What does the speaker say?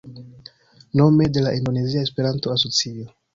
Nome de la Indonezia Esperanto-Asocio